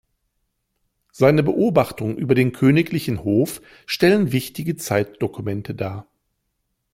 Seine Beobachtungen über den königlichen Hof stellen wichtige Zeitdokumente dar.